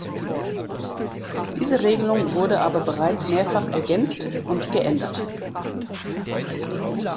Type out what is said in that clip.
Diese Regelung wurde aber bereits mehrfach ergänzt und geändert.